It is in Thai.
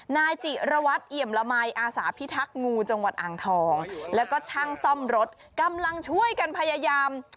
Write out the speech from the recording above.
นายจิระวัตรเอี่ยมละมัยอาสาพิทักษ์งูจังหวัดอ่างทองแล้วก็ช่างซ่อมรถกำลังช่วยกันพยายาม